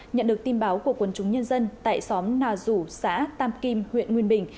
nhận được tin báo của quân chúng nhân dân tại xóm nà rủ xã tam kim huyện nguyên bình